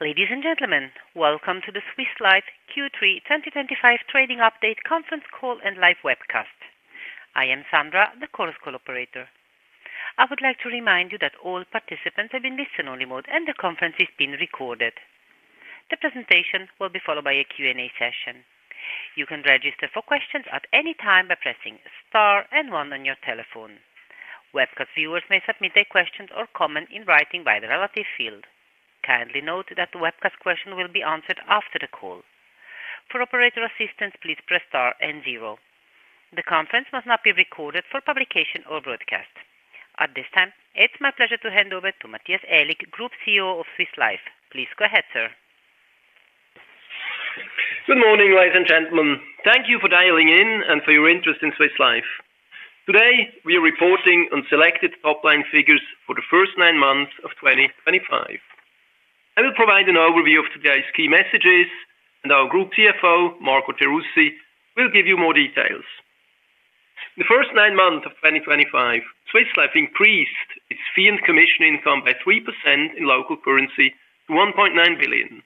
Ladies and gentlemen, welcome to the Swiss Life Q3 2025 Trading Update Conference Call and Live Webcast. I am Sandra, the call's co-operator. I would like to remind you that all participants are in listen-only mode, and the conference is being recorded. The presentation will be followed by a Q&A session. You can register for questions at any time by pressing star and one on your telephone. Webcast viewers may submit their questions or comments in writing via the relevant field. Kindly note that the webcast questions will be answered after the call. For operator assistance, please press star and zero. The conference must not be recorded for publication or broadcast. At this time, it is my pleasure to hand over to Matthias Aellig, Group CEO of Swiss Life. Please go ahead, sir. Good morning, ladies and gentlemen. Thank you for dialing in and for your interest in Swiss Life. Today, we are reporting on selected top line figures for the first nine months of 2025. I will provide an overview of today's key messages, and our Group CFO, Marco Gerussi, will give you more details. In the first nine months of 2025, Swiss Life increased its fee and commission income by 3% in local currency to 1.9 billion.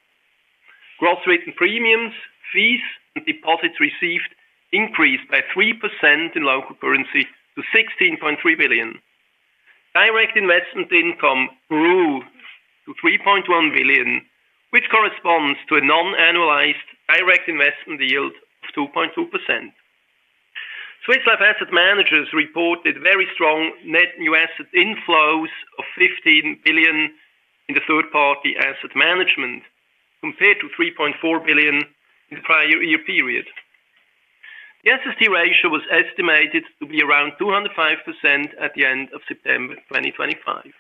Gross written premiums, fees, and deposits received increased by 3% in local currency to 16.3 billion. Direct investment income grew to 3.1 billion, which corresponds to a non-annualized direct investment yield of 2.2%. Swiss Life Asset Managers reported very strong net new asset inflows of 15 billion in the third-party asset management, compared to 3.4 billion in the prior year period. The SST ratio was estimated to be around 205% at the end of September 2025.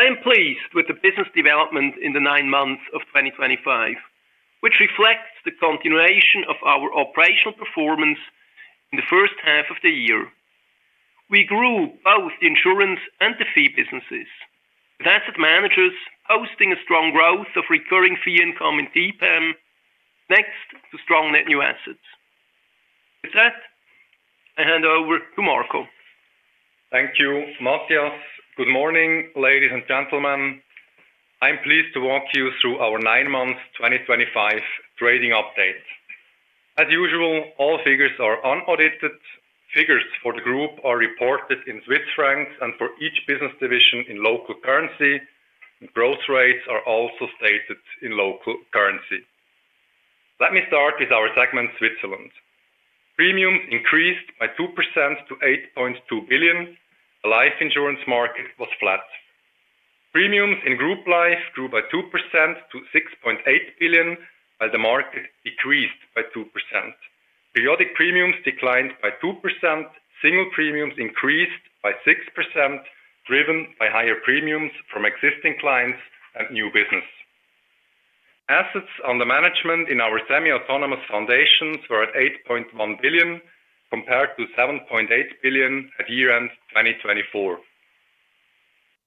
I am pleased with the business development in the nine months of 2025, which reflects the continuation of our operational performance in the first half of the year. We grew both the insurance and the fee businesses, with asset managers posting a strong growth of recurring fee income in TPAM, next to strong net new assets. With that, I hand over to Marco. Thank you, Matthias. Good morning, ladies and gentlemen. I'm pleased to walk you through our nine months 2025 trading update. As usual, all figures are unaudited. Figures for the group are reported in CHF and for each business division in local currency, and growth rates are also stated in local currency. Let me start with our segment, Switzerland. Premiums increased by 2% to 8.2 billion. The life insurance market was flat. Premiums in Group Life grew by 2% to 6.8 billion, while the market decreased by 2%. Periodic premiums declined by 2%. Single premiums increased by 6%, driven by higher premiums from existing clients and new business. Assets under management in our semi-autonomous foundations were at 8.1 billion, compared to 7.8 billion at year-end 2024.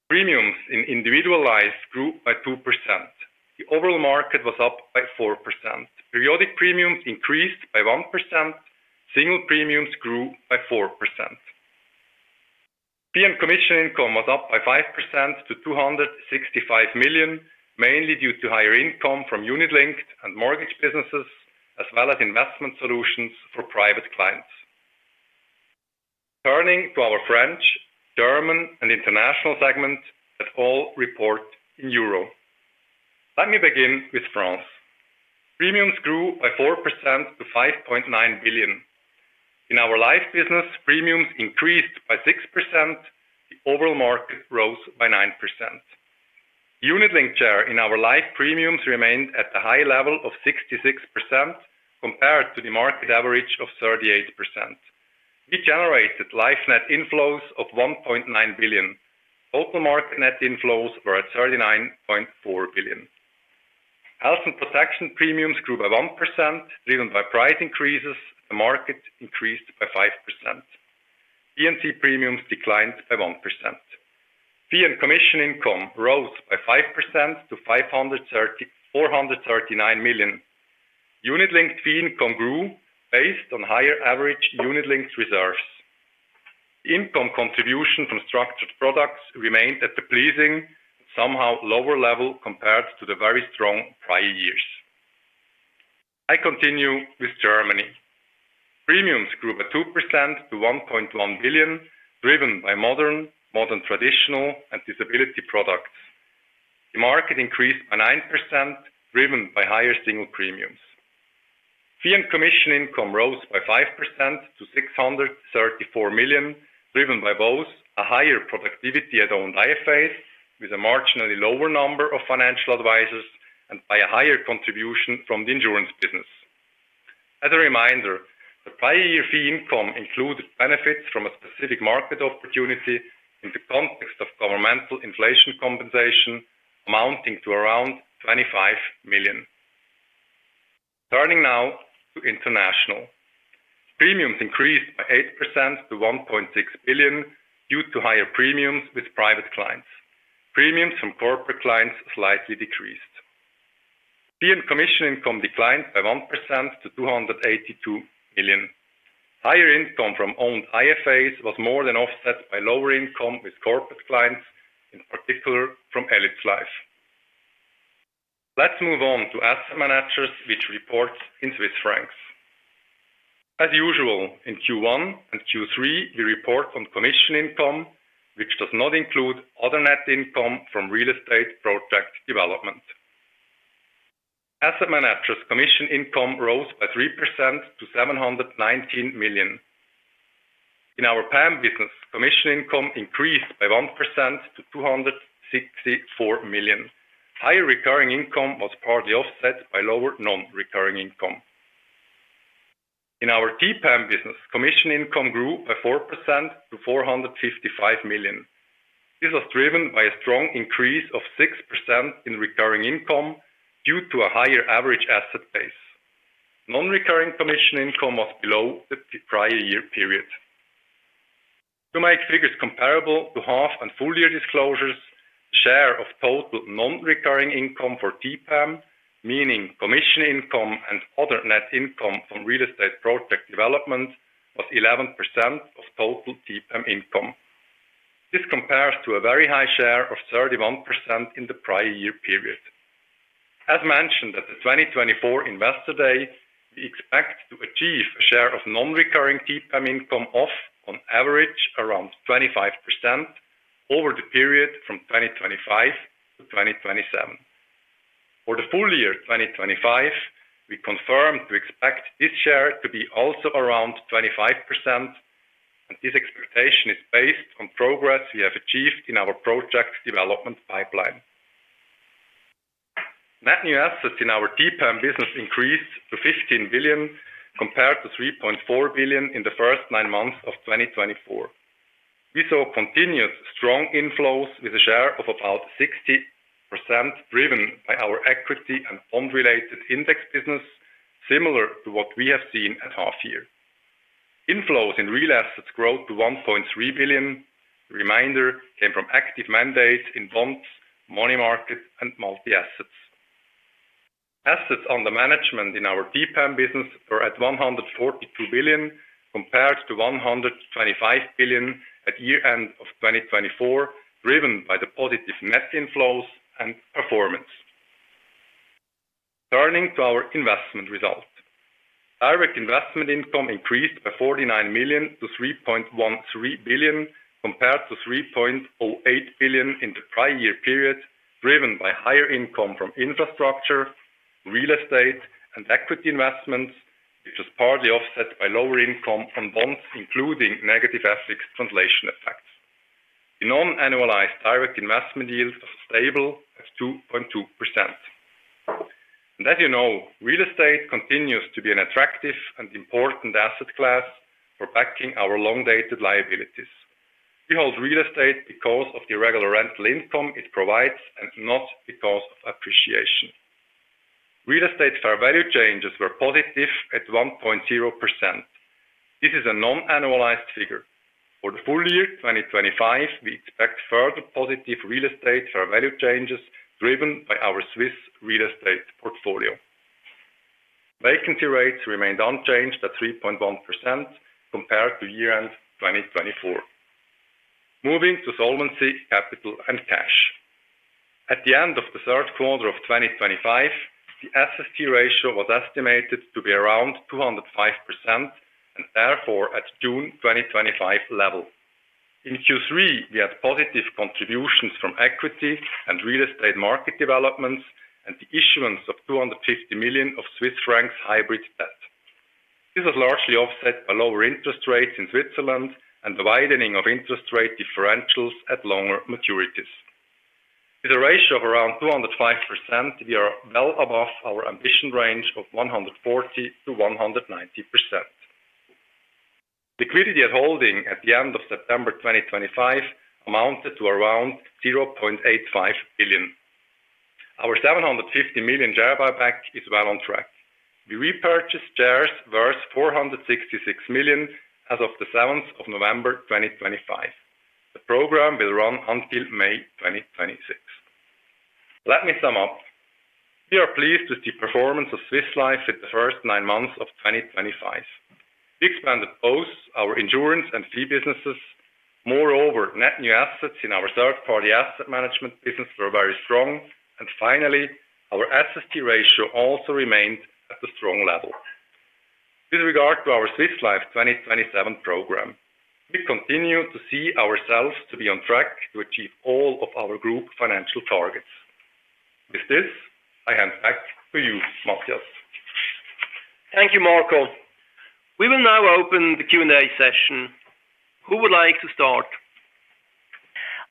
Premiums in Individual Life grew by 2%. The overall market was up by 4%. Periodic premiums increased by 1%. Single premiums grew by 4%. Fee and commission income was up by 5% to 265 million, mainly due to higher income from unit-linked and mortgage businesses, as well as investment solutions for private clients. Turning to our French, German, and international segment that all report in euro. Let me begin with France. Premiums grew by 4% to 5.9 billion. In our life business, premiums increased by 6%. The overall market rose by 9%. Unit-linked share in our life premiums remained at the high level of 66%, compared to the market average of 38%. We generated life net inflows of 1.9 billion. Total market net inflows were at 39.4 billion. Health and protection premiums grew by 1%, driven by price increases. The market increased by 5%. P&C premiums declined by 1%. Fee and commission income rose by 5% to 439 million. Unit-linked fee income grew based on higher average unit-linked reserves. Income contribution from structured products remained at the pleasing and somehow lower level compared to the very strong prior years. I continue with Germany. Premiums grew by 2% to 1.1 billion, driven by modern, modern-traditional, and disability products. The market increased by 9%, driven by higher single premiums. Fee and commission income rose by 5% to 634 million, driven by both a higher productivity at owned IFAs, with a marginally lower number of financial advisors, and by a higher contribution from the insurance business. As a reminder, the prior year fee income included benefits from a specific market opportunity in the context of governmental inflation compensation, amounting to around 25 million. Turning now to international. Premiums increased by 8% to 1.6 billion due to higher premiums with private clients. Premiums from corporate clients slightly decreased. Fee and commission income declined by 1% to 282 million. Higher income from owned IFAs was more than offset by lower income with corporate clients, in particular from Ellips Life. Let's move on to asset managers, which report in CHF. As usual, in Q1 and Q3, we report on commission income, which does not include other net income from real estate project development. Asset managers' commission income rose by 3% to 719 million. In our PAM business, commission income increased by 1% to 264 million. Higher recurring income was partly offset by lower non-recurring income. In our TPAM business, commission income grew by 4% to 455 million. This was driven by a strong increase of 6% in recurring income due to a higher average asset base. Non-recurring commission income was below the prior year period. To make figures comparable to half and full year disclosures, the share of total non-recurring income for TPAM, meaning commission income and other net income from real estate project development, was 11% of total TPAM income. This compares to a very high share of 31% in the prior year period. As mentioned at the 2024 Investor Day, we expect to achieve a share of non-recurring TPAM income of, on average, around 25% over the period from 2025 to 2027. For the full year 2025, we confirm to expect this share to be also around 25%, and this expectation is based on progress we have achieved in our project development pipeline. Net new assets in our TPAM business increased to 15 billion, compared to 3.4 billion in the first nine months of 2024. We saw continuous strong inflows with a share of about 60%, driven by our equity and bond-related index business, similar to what we have seen at half year. Inflows in real assets grew to 1.3 billion. The remainder came from active mandates in bonds, money market, and multi-assets. Assets under management in our TPAM business were at 142 billion, compared to 125 billion at year-end of 2024, driven by the positive net inflows and performance. Turning to our investment result, Direct Investment Income increased by 49 million to 3.13 billion, compared to 3.08 billion in the prior year period, driven by higher income from infrastructure, real estate, and equity investments, which was partly offset by lower income on bonds, including negative FX translation effects. The non-annualized direct investment yield was stable at 2.2%. As you know, real estate continues to be an attractive and important asset class for backing our long-dated liabilities. We hold real estate because of the regular rental income it provides and not because of appreciation. Real estate fair value changes were positive at 1.0%. This is a non-annualized figure. For the full year 2025, we expect further positive real estate fair value changes driven by our Swiss real estate portfolio. Vacancy rates remained unchanged at 3.1% compared to year-end 2024. Moving to solvency, capital, and cash. At the end of the third quarter of 2025, the SST ratio was estimated to be around 205%, and therefore at June 2025 level. In Q3, we had positive contributions from equity and real estate market developments and the issuance of 250 million hybrid debt. This was largely offset by lower interest rates in Switzerland and the widening of interest rate differentials at longer maturities. With a ratio of around 205%, we are well above our ambition range of 140-190%. Liquidity at holding at the end of September 2025 amounted to around 0.85 billion. Our 750 million share buyback is well on track. We repurchased shares worth 466 million as of the 7th of November 2025. The program will run until May 2026. Let me sum up. We are pleased with the performance of Swiss Life in the first nine months of 2025. We expanded both our insurance and fee businesses. Moreover, net new assets in our Third-Party Asset Management business were very strong, and finally, our SST ratio also remained at the strong level. With regard to our Swiss Life 2027 program, we continue to see ourselves to be on track to achieve all of our group financial targets. With this, I hand back to you, Matthias. Thank you, Marco. We will now open the Q&A session. Who would like to start?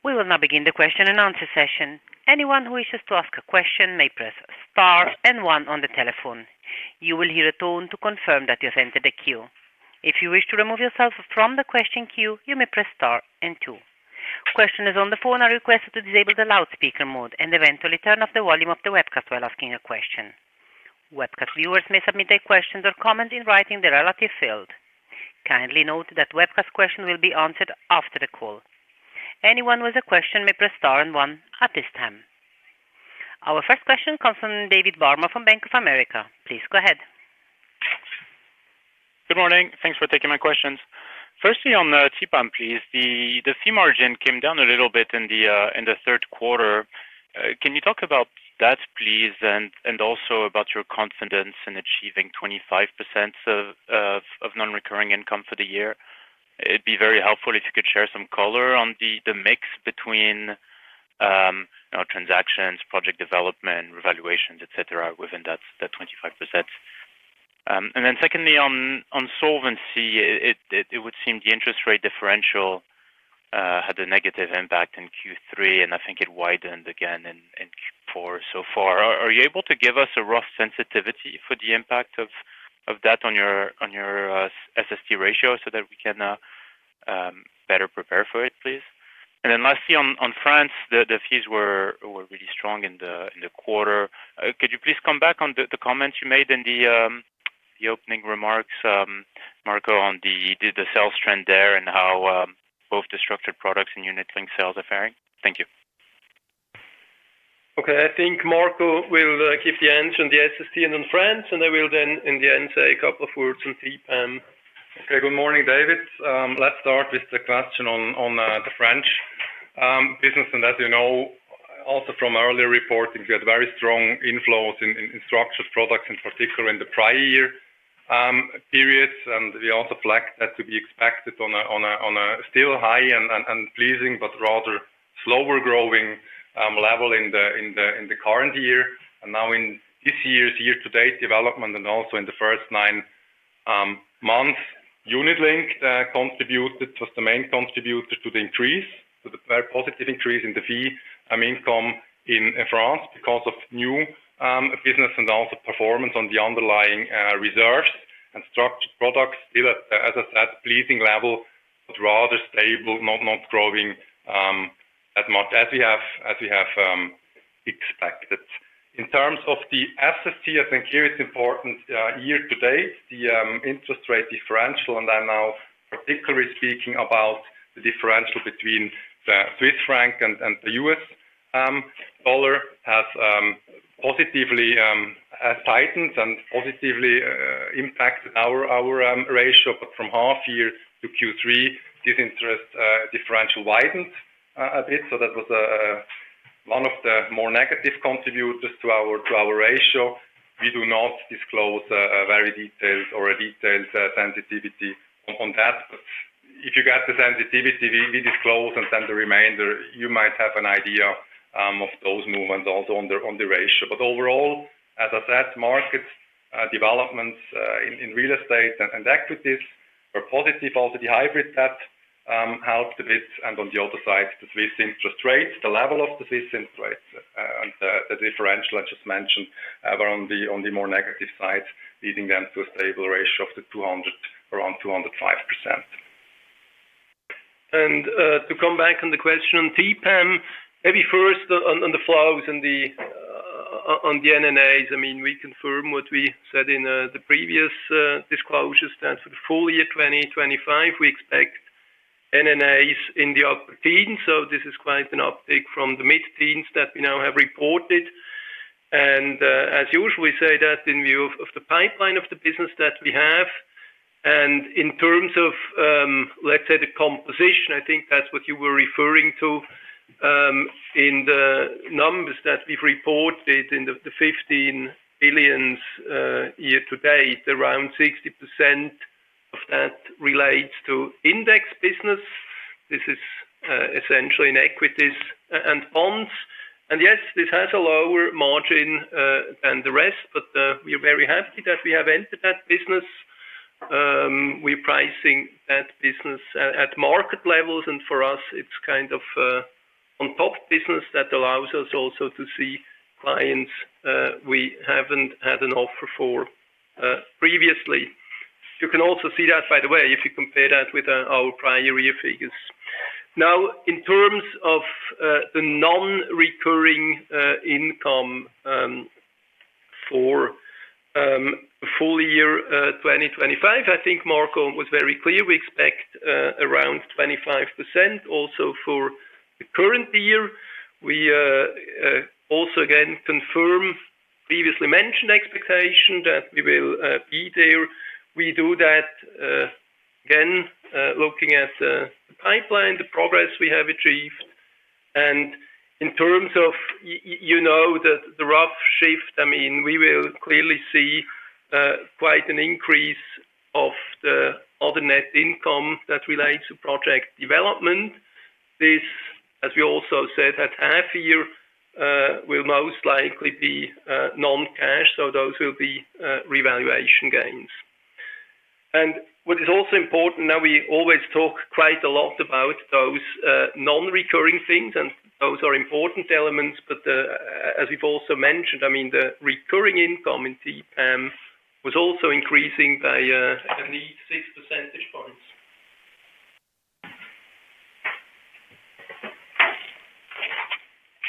We will now begin the question and answer session. Anyone who wishes to ask a question may press Star and one on the telephone. You will hear a tone to confirm that you have entered a queue. If you wish to remove yourself from the question queue, you may press Star and two. Questioners on the phone are requested to disable the loudspeaker mode and eventually turn off the volume of the webcast while asking a question. Webcast viewers may submit their questions or comments in writing in the relative field. Kindly note that webcast questions will be answered after the call. Anyone with a question may press Star and one at this time. Our first question comes from David Barma from Bank of America. Please go ahead. Good morning. Thanks for taking my questions. Firstly, on the TPAM, please, the fee margin came down a little bit in the third quarter. Can you talk about that, please, and also about your confidence in achieving 25% of non-recurring income for the year? It'd be very helpful if you could share some color on the mix between transactions, project development, revaluations, etc., within that 25%. Secondly, on solvency, it would seem the interest rate differential had a negative impact in Q3, and I think it widened again in Q4 so far. Are you able to give us a rough sensitivity for the impact of that on your SST ratio so that we can better prepare for it, please? Lastly, on France, the fees were really strong in the quarter. Could you please come back on the comments you made in the opening remarks, Marco, on the sales trend there and how both the structured products and unit-linked sales are faring? Thank you. Okay. I think Marco will give the answer on the SST and on France, and I will then, in the end, say a couple of words on TPAM. Okay. Good morning, David. Let's start with the question on the French business. As you know, also from earlier reporting, we had very strong inflows in structured products, in particular in the prior year period. We also flagged that to be expected on a still high and pleasing, but rather slower growing level in the current year. Now, in this year's year-to-date development and also in the first nine months, unit-linked was the main contributor to the increase, to the very positive increase in the fee income in France because of new business and also performance on the underlying reserves and structured products, still at, as I said, pleasing level, but rather stable, not growing that much as we have expected. In terms of the SST, I think here it's important, year-to-date, the interest rate differential, and then now, particularly speaking about the differential between the Swiss franc and the U.S. dollar, has positively tightened and positively impacted our ratio. From half year to Q3, this interest differential widened a bit. That was one of the more negative contributors to our ratio. We do not disclose a very detailed or a detailed sensitivity on that. If you get the sensitivity we disclose, and then the remainder, you might have an idea of those movements also on the ratio. Overall, as I said, market developments in real estate and equities were positive. Also, the hybrid debt helped a bit. On the other side, the Swiss interest rate, the level of the Swiss interest rate and the differential I just mentioned were on the more negative side, leading them to a stable ratio of around 205%. To come back on the question on TPAM, maybe first on the flows and the NNAs. I mean, we confirm what we said in the previous disclosure, stands for the full year 2025. We expect NNAs in the upper teens. This is quite an uptick from the mid-teens that we now have reported. As usual, we say that in view of the pipeline of the business that we have. In terms of, let's say, the composition, I think that's what you were referring to in the numbers that we've reported in the 15 billion year-to-date, around 60% of that relates to Index Business. This is essentially in equities and bonds. Yes, this has a lower margin than the rest, but we are very happy that we have entered that business. We are pricing that business at market levels, and for us, it's kind of on-top business that allows us also to see clients we haven't had an offer for previously. You can also see that, by the way, if you compare that with our prior year figures. Now, in terms of the Non-Recurring Income for full year 2025, I think Marco was very clear. We expect around 25% also for the current year. We also again confirm the previously mentioned expectation that we will be there. We do that again, looking at the pipeline, the progress we have achieved. In terms of the rough shift, I mean, we will clearly see quite an increase of the other net income that relates to project development. This, as we also said at half year, will most likely be non-cash. Those will be revaluation gains. What is also important, now we always talk quite a lot about those non-recurring things, and those are important elements. As we've also mentioned, I mean, the recurring income in TPAM was also increasing by at least 6 percentage points.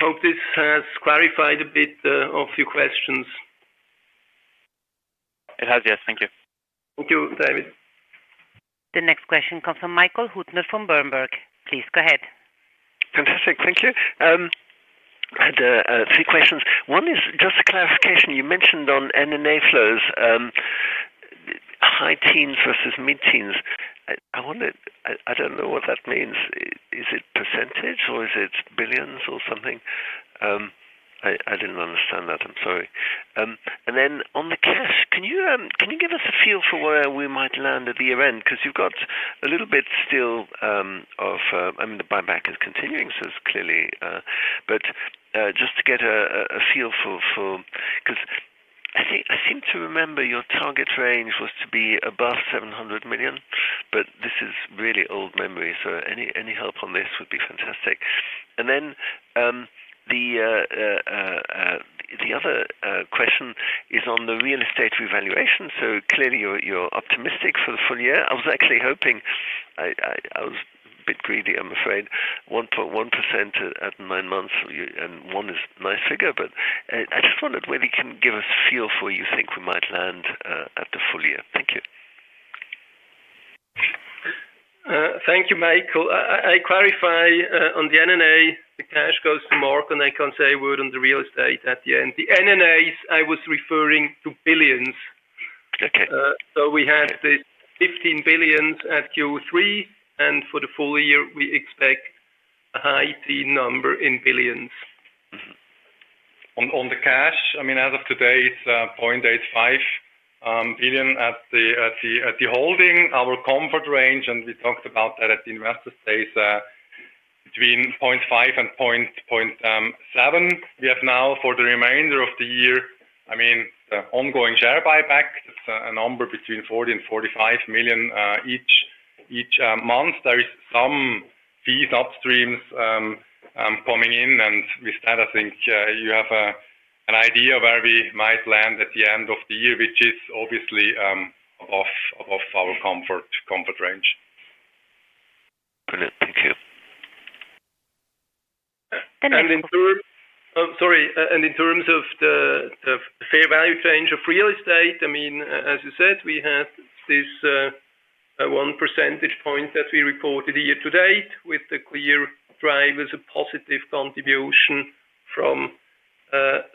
Hope this has clarified a bit of your questions. It has, yes. Thank you. Thank you, David. The next question comes from Michael Huttner from Berenberg. Please go ahead. Fantastic. Thank you. I had three questions. One is just a clarification. You mentioned on NNA flows, high teens versus mid-teens. I do not know what that means. Is it percentage or is it billions or something? I did not understand that. I am sorry. Then on the cash, can you give us a feel for where we might land at the year-end? Because you have got a little bit still of, I mean, the buyback is continuing, so it is clearly. Just to get a feel for, because I seem to remember your target range was to be above 700 million, but this is really old memory. Any help on this would be fantastic. The other question is on the Real Estate Revaluation. Clearly, you are optimistic for the full year. I was actually hoping, I was a bit greedy, I'm afraid, 1.1% at nine months, and 1% is a nice figure. I just wondered whether you can give us a feel for where you think we might land at the full year. Thank you. Thank you, Michael. I clarify on the NNA, the cash goes to Marco, and I can't say a word on the real estate at the end. The NNAs, I was referring to billions. So we had this 15 billion at Q3, and for the full year, we expect a high teen number in billions. On the cash, I mean, as of today, it's 0.85 billion at the holding. Our comfort range, and we talked about that at the investor stage, between 0.5 billion and 0.7 billion. We have now, for the remainder of the year, I mean, the ongoing share buyback, that's a number between 40 million and 45 million each month. There is some fee upstreams coming in, and with that, I think you have an idea of where we might land at the end of the year, which is obviously above our comfort range. Brilliant. Thank you. In terms of. Sorry. In terms of the fair value change of real estate, I mean, as you said, we had this 1% that we reported year-to-date with the clear driver, the positive contribution from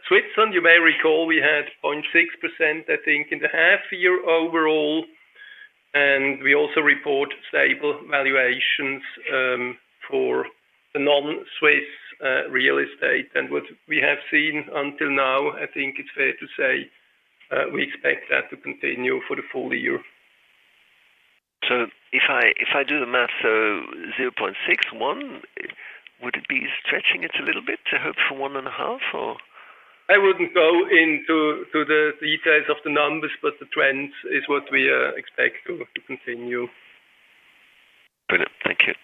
Switzerland. You may recall we had 0.6% in the half year overall. We also report stable valuations for the Non-Swiss Real Estate. What we have seen until now, I think it's fair to say we expect that to continue for the full year. If I do the math, 0.6%, 1%, would it be stretching it a little bit to hope for one and a half or? I wouldn't go into the details of the numbers, but the trend is what we expect to continue. Brilliant. Thank you.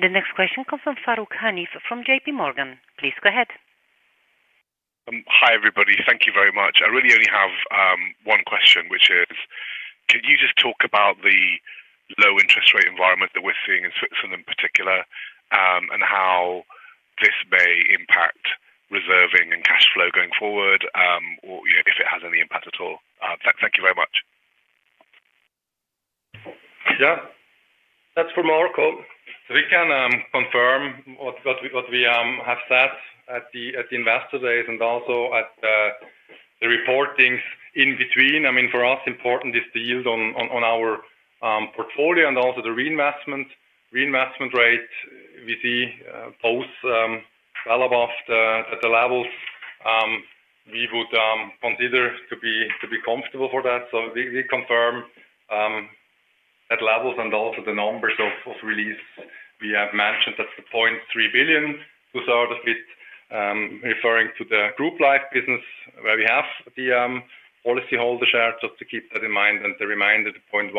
The next question comes from Farooq Hanif from JPMorgan. Please go ahead. Hi, everybody. Thank you very much. I really only have one question, which is, could you just talk about the Low-Interest-Rate Environment that we're seeing in Switzerland in particular and how this may impact reserving and cash flow going forward or if it has any impact at all? Thank you very much. Yeah. That's for Marco. We can confirm what we have said at the investor days and also at the reportings in between. I mean, for us, important is the yield on our portfolio and also the reinvestment rate. We see both well above the levels we would consider to be comfortable for that. We confirm at levels and also the numbers of release we have mentioned at 0.3 billion, to start a bit referring to the Group Life business where we have the policyholder share. Just to keep that in mind and the reminder, the 0.1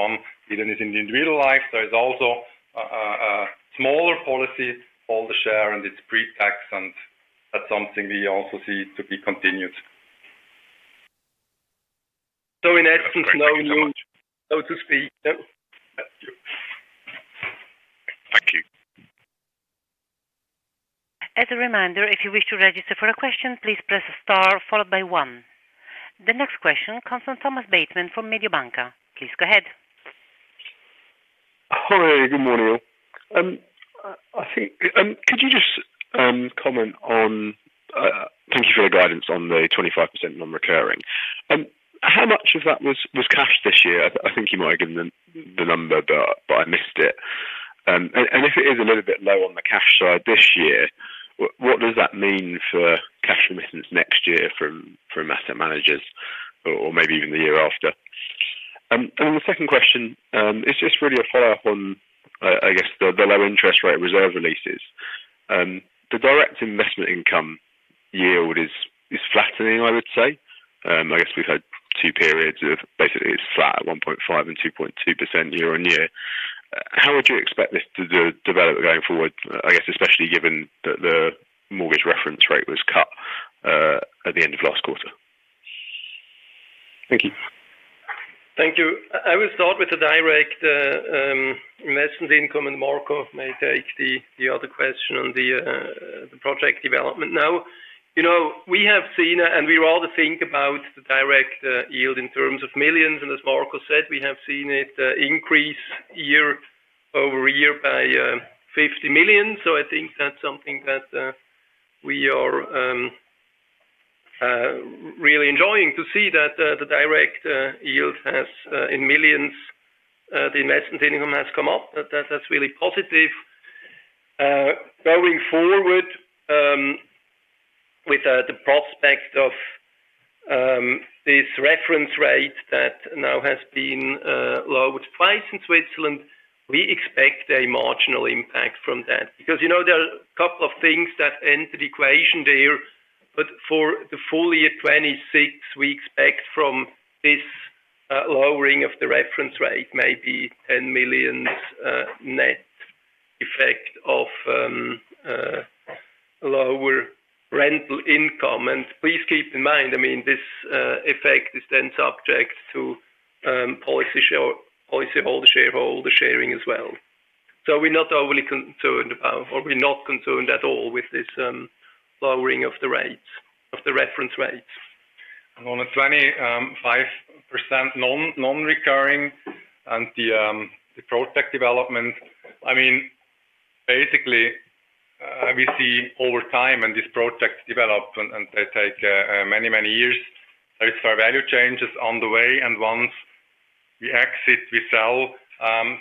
billion is in the Individual Life. There is also a smaller policyholder share, and it's pre-tax, and that's something we also see to be continued. In essence, no news, so to speak. Thank you. As a reminder, if you wish to register for a question, please press the star followed by one. The next question comes from Thomas Bateman from Mediobanca. Please go ahead. Hi, good morning. I think could you just comment on thank you for the guidance on the 25% Non-Recurring. How much of that was cash this year? I think you might have given the number, but I missed it. If it is a little bit low on the cash side this year, what does that mean for cash remittance next year from asset managers or maybe even the year after? The second question is just really a follow-up on, I guess, the Low-Interest-Rate Reserve Releases. The Direct Investment Income yield is flattening, I would say. I guess we've had two periods of basically it's flat at 1.5% and 2.2% year on year. How would you expect this to develop going forward, I guess, especially given that the Mortgage-Reference-Rate was cut at the end of last quarter? Thank you. Thank you. I will start with the Direct Investment Income, and Marco may take the other question on the project development. Now, we have seen, and we rather think about the Direct Yield in terms of millions. As Marco said, we have seen it increase year over year by 50 million. I think that is something that we are really enjoying to see, that the Direct Yield has, in millions, the investment income has come up. That is really positive. Going forward with the prospect of this Reference Rate that now has been lowered twice in Switzerland, we expect a marginal impact from that. There are a couple of things that enter the equation there. For the full year 2026, we expect from this lowering of the Reference Rate, maybe 10 million net effect of lower rental income. Please keep in mind, I mean, this effect is then subject to Policyholder-Shareholder Sharing as well. So we're not overly concerned about, or we're not concerned at all with this lowering of the Reference Rates. On the 25% non-recurring and the project development, I mean, basically, we see over time as this project develops and they take many, many years. There are value changes on the way. Once we exit, we sell,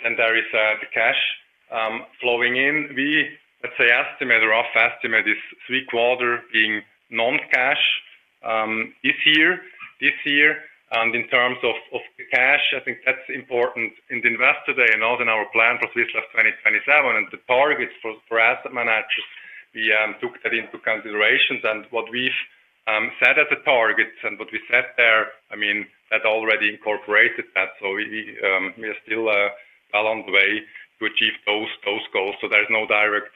then there is the cash flowing in. We, let's say, estimate, rough estimate, this three-quarter being non-cash this year. In terms of cash, I think that's important in the Investor Day and also in our plan for Swiss Life 2027. The targets for asset managers, we took that into consideration. What we've set as a target and what we set there, I mean, that's already incorporated. We are still well on the way to achieve those goals. There is no direct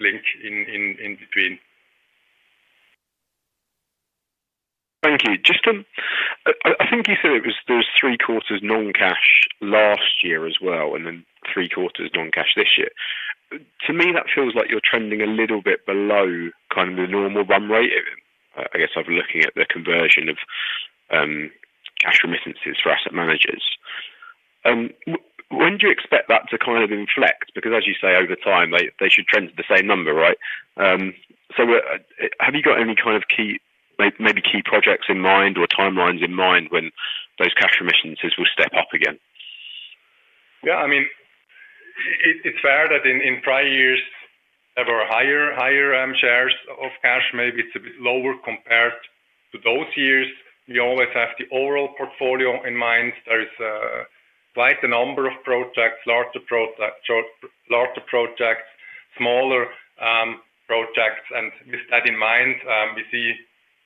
link in between. Thank you. Just I think you said there was three-quarters non-cash last year as well, and then three-quarters non-cash this year. To me, that feels like you're trending a little bit below kind of the normal run rate, I guess, of looking at the conversion of Cash Remittances for asset managers. When do you expect that to kind of inflect? Because as you say, over time, they should trend to the same number, right? So have you got any kind of maybe key projects in mind or timelines in mind when those Cash Remittances will step up again? Yeah. I mean, it's fair that in prior years, there were higher shares of cash. Maybe it's a bit lower compared to those years. We always have the overall portfolio in mind. There is quite a number of projects, larger projects, smaller projects. With that in mind, we see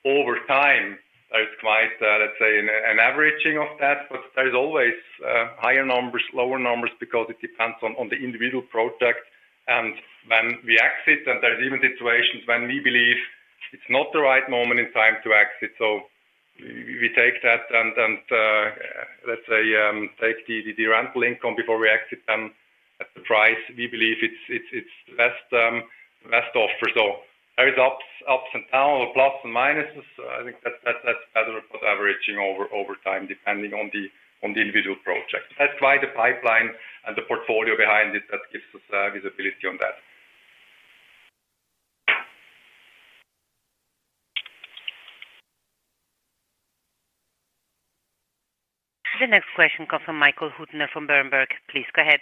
over time, there is quite, let's say, an averaging of that. There are always higher numbers, lower numbers, because it depends on the individual project. When we exit, there are even situations when we believe it's not the right moment in time to exit. We take that and, let's say, take the rental income before we exit them at the price we believe is the best offer. There are ups and downs or plus and minuses. I think that's better for averaging over time, depending on the individual project. That's quite a pipeline and the portfolio behind it that gives us visibility on that. The next question comes from Michael Huttner from Berenberg. Please go ahead.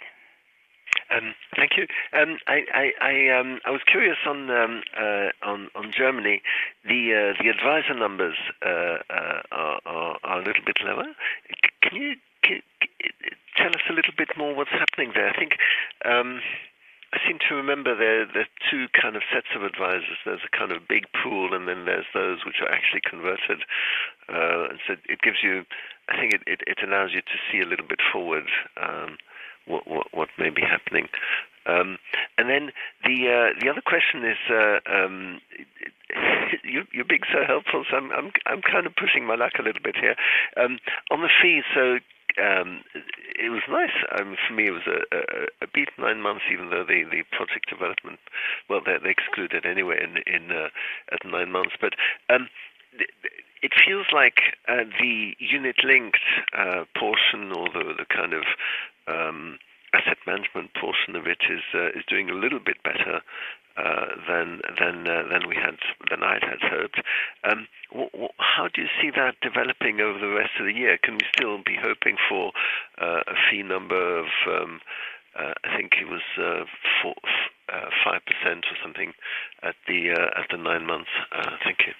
Thank you. I was curious on Germany. The Advisor Numbers are a little bit lower. Can you tell us a little bit more what's happening there? I think I seem to remember there are two kind of sets of advisors. There's a kind of big pool, and then there's those which are actually converted. It gives you, I think it allows you to see a little bit forward what may be happening. The other question is, you're being so helpful, so I'm kind of pushing my luck a little bit here. On the fees, it was nice. For me, it was a beat nine months, even though the project development, they excluded anyway at nine months. It feels like the unit-linked portion or the kind of Asset Management portion of it is doing a little bit better than I had hoped. How do you see that developing over the rest of the year? Can we still be hoping for a fee number of, I think it was 5% or something at the nine months? Thank you.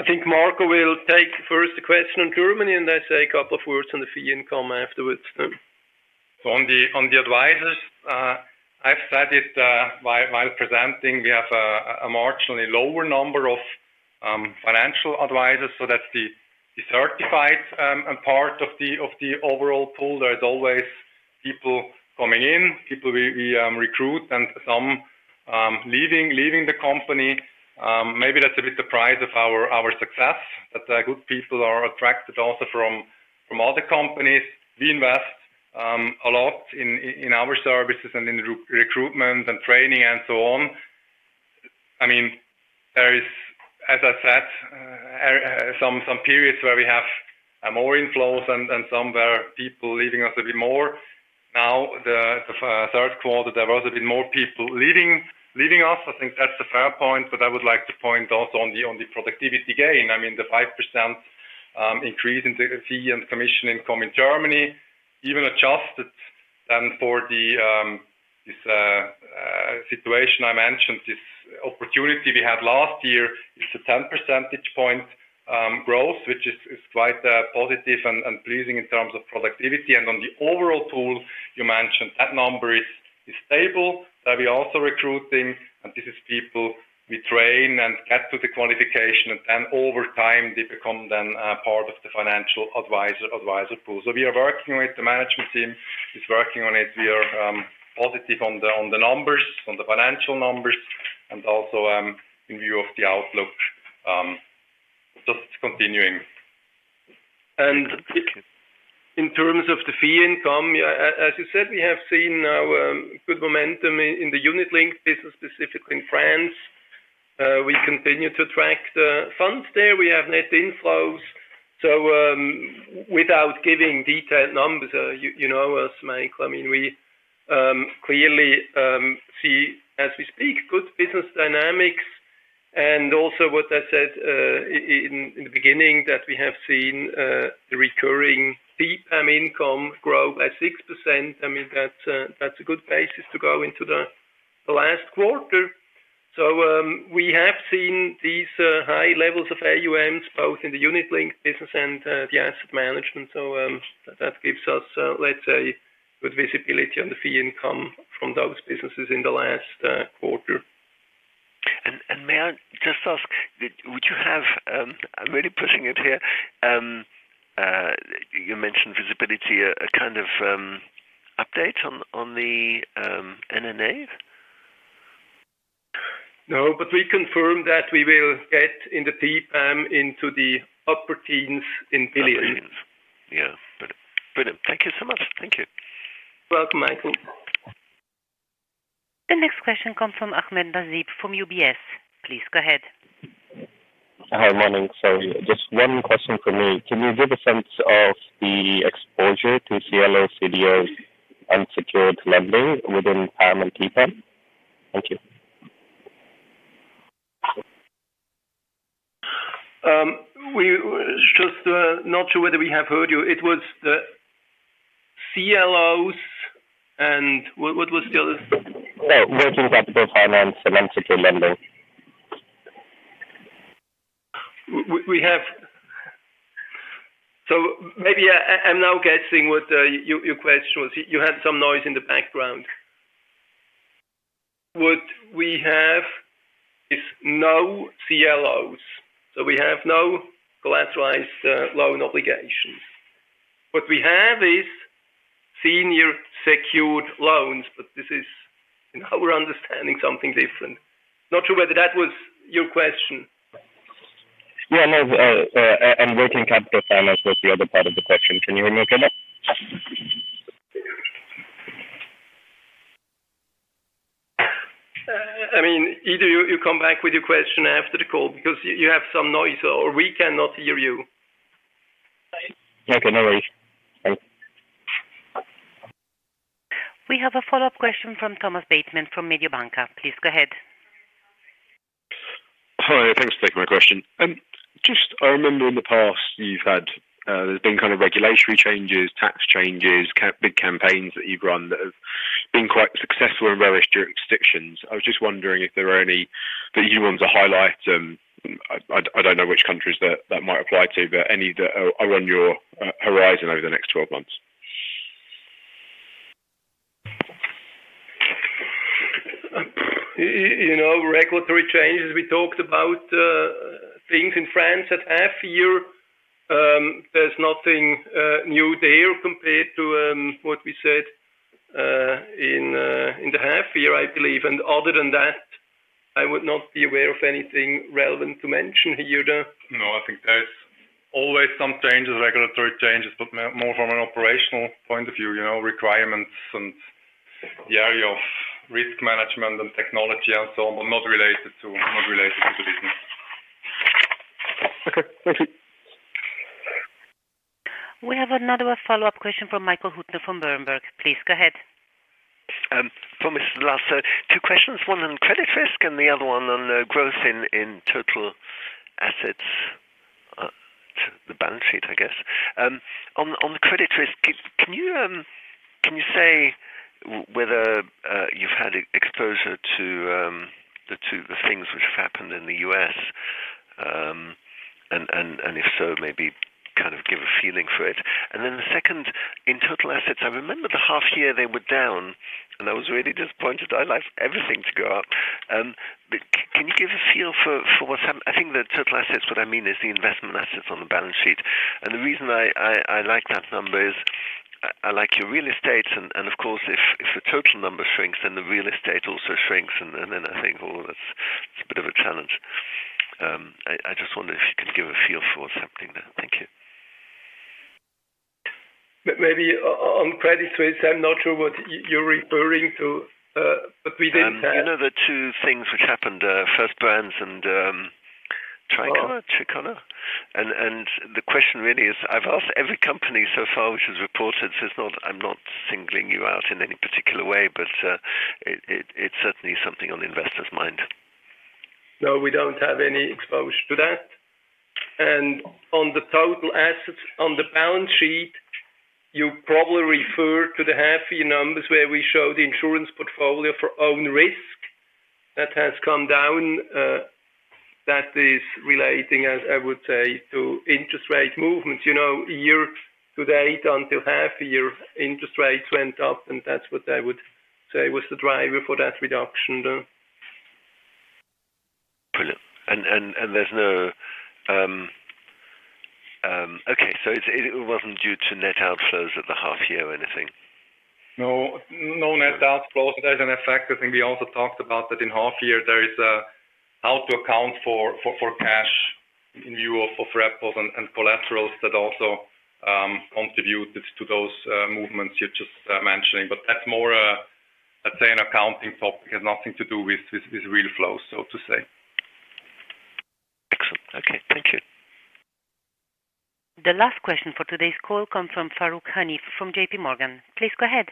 I think Marco will take first the question on Germany, and I say a couple of words on the fee income afterwards. On the advisors, I've said it while presenting, we have a marginally lower number of financial advisors. That's the certified part of the overall pool. There are always people coming in, people we recruit, and some leaving the company. Maybe that's a bit the price of our success, that good people are attracted also from other companies. We invest a lot in our services and in recruitment and training and so on. I mean, there is, as I said, some periods where we have more inflows and some where people leaving us a bit more. Now, the third quarter, there was a bit more people leaving us. I think that's the fair point. I would like to point also on the productivity gain. I mean, the 5% increase in the Fee and Commission Income in Germany, even adjusted then for this situation I mentioned, this opportunity we had last year, it's a 10 percentage point growth, which is quite positive and pleasing in terms of productivity. On the overall pool, you mentioned that number is stable. We are also recruiting, and this is people we train and get to the qualification, and then over time, they become then part of the financial advisor pool. We are working with the management team, is working on it. We are positive on the numbers, on the financial numbers, and also in view of the outlook, just continuing. In terms of the fee income, as you said, we have seen now good momentum in the unit-linked business, specifically in France. We continue to attract funds there. We have net inflows. Without giving detailed numbers, you know us, Mike. I mean, we clearly see, as we speak, good business dynamics. Also, what I said in the beginning, that we have seen the recurring fee income grow by 6%. I mean, that's a good basis to go into the last quarter. We have seen these high levels of AUMs, both in the unit-linked business and the asset management. That gives us, let's say, good visibility on the fee income from those businesses in the last quarter. May I just ask, would you have, I'm really putting it here, you mentioned visibility, a kind of update on the NNA? No, but we confirm that we will get in the fee into the upper teens in billions. Yeah. Brilliant. Thank you so much. Thank you. You're welcome, Michael. The next question comes from Ahmed Nazib from UBS. Please go ahead. Hi, morning. Sorry, just one question for me. Can you give a sense of the exposure to CLOs, CDOs, Unsecured Lending within PAM and TPAM? Thank you. We're just not sure whether we have heard you. It was the CLOs and what was the other? Working capital finance and unsecured lending. Maybe I'm now guessing what your question was. You had some noise in the background. What we have is no CLOs. We have no Collateralized Loan Obligations. What we have is Senior Secured Loans, but this is in our understanding something different. Not sure whether that was your question. Yeah, no. Working Capital Finance was the other part of the question. Can you hear me okay now? I mean, either you come back with your question after the call because you have some noise, or we cannot hear you. Okay, no worries. Thanks. We have a follow-up question from Thomas Bateman from Mediobanca. Please go ahead. Hi, thanks for taking my question. Just I remember in the past, there's been kind of regulatory changes, tax changes, big campaigns that you've run that have been quite successful in various jurisdictions. I was just wondering if there were any that you wanted to highlight. I don't know which countries that might apply to, but any that are on your horizon over the next 12 months? Regulatory changes, we talked about things in France at half-year. There is nothing new there compared to what we said in the half-year, I believe. Other than that, I would not be aware of anything relevant to mention here. No, I think there's always some changes, regulatory changes, but more from an operational point of view, requirements in the area of Risk Management and Technology and so on, but not related to the business. Okay, thank you. We have another follow-up question from Michael Huttner from Berenberg. Please go ahead. From Mr. Lasser. Two questions. One on Credit Risk and the other one on growth in Total Assets, the balance sheet, I guess. On Credit Risk, can you say whether you've had exposure to the things which have happened in the U.S.? If so, maybe kind of give a feeling for it. The second, in Total Assets, I remember the half-year they were down, and I was really disappointed. I'd like everything to go up. Can you give a feel for what's happened? I think that Total Assets, what I mean, is the Investment Assets on the balance sheet. The reason I like that number is I like your real estate. Of course, if the total number shrinks, then the real estate also shrinks. I think, well, that's a bit of a challenge. I just wondered if you could give a feel for what's happening there. Thank you. Maybe on Credit Risk, I'm not sure what you're referring to, but we didn't have. You know the two things which happened, First Brands and Trikona? The question really is, I've asked every company so far which has reported, so I'm not singling you out in any particular way, but it's certainly something on the investor's mind. No, we don't have any exposure to that. On the Total Assets on the Balance Sheet, you probably refer to the half-year numbers where we show the Insurance Portfolio for Own Risk that has come down. That is relating, I would say, to Interest Rate Movements. Year to date, until half-year, interest rates went up, and that's what I would say was the driver for that reduction. Brilliant. There is no okay, so it was not due to net outflows at the half-year or anything? No, no net outflows. As a fact, I think we also talked about that in half-year, there is how to account for cash in view of Repos and Collaterals that also contributed to those movements you're just mentioning. That is more, let's say, an accounting topic, has nothing to do with real flows, so to say. Excellent. Okay. Thank you. The last question for today's call comes from Farooq Hanif from J.P. Morgan. Please go ahead.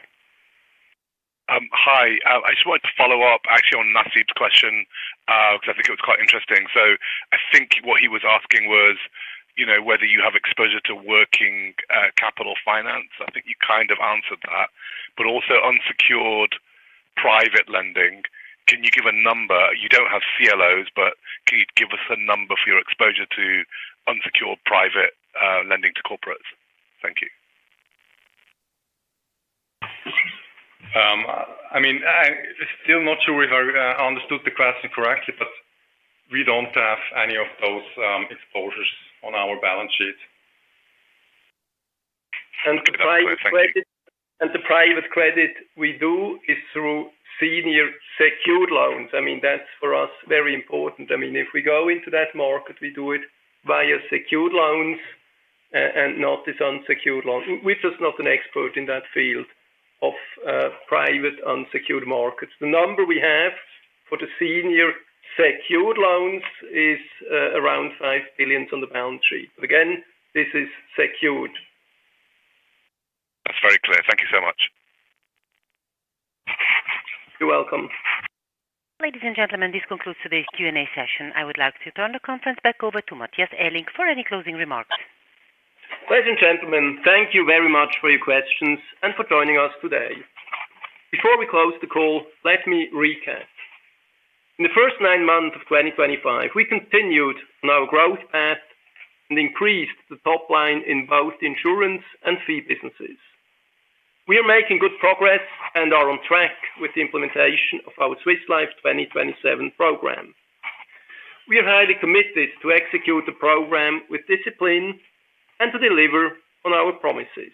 Hi. I just wanted to follow up, actually, on Nasib's question because I think it was quite interesting. I think what he was asking was whether you have exposure to Working Capital Finance. I think you kind of answered that. Also, Unsecured Private Lending, can you give a number? You do not have CLOs, but can you give us a number for your exposure to Unsecured Private Lending to corporates? Thank you. I mean, still not sure if I understood the question correctly, but we don't have any of those exposures on our balance sheet. The Private Credit we do is through Senior Secured Loans. I mean, that's for us very important. I mean, if we go into that market, we do it via secured loans and not these unsecured loans. We're just not an expert in that field of private unsecured markets. The number we have for the Senior Secured Loans is around 5 billion on the balance sheet. Again, this is secured. That's very clear. Thank you so much. You're welcome. Ladies and gentlemen, this concludes today's Q&A session. I would like to turn the conference back over to Matthias Aellig for any closing remarks. Ladies and gentlemen, thank you very much for your questions and for joining us today. Before we close the call, let me recap. In the first nine months of 2025, we continued on our growth path and increased the top line in both insurance and fee businesses. We are making good progress and are on track with the implementation of our Swiss Life 2027 program. We are highly committed to execute the program with discipline and to deliver on our promises.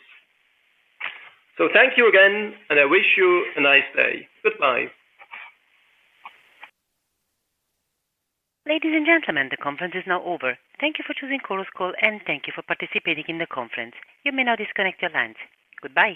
Thank you again, and I wish you a nice day. Goodbye. Ladies and gentlemen, the conference is now over. Thank you for choosing CorusCall, and thank you for participating in the conference. You may now disconnect your lines. Goodbye.